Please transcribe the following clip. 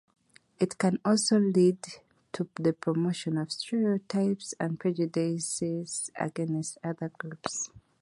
It can also lead to the promotion of stereotypes and prejudices against other groups.